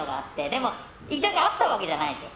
でも、１億円あったわけじゃないんですよ。